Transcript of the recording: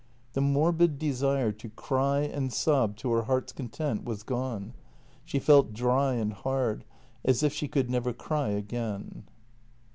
The morbid desire to cry and sob to her heart's content was gone; she felt dry and hard as if she could never cry again.